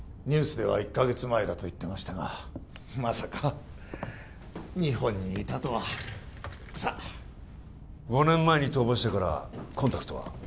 ニュースでは１カ月前だと言ってましたがまさか日本にいたとはさあ５年前に逃亡してからコンタクトは？